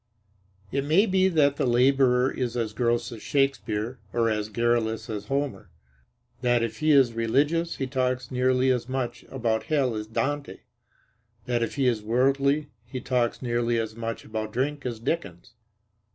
It may be that the laborer is as gross as Shakespeare or as garrulous as Homer; that if he is religious he talks nearly as much about hell as Dante; that if he is worldly he talks nearly as much about drink as Dickens.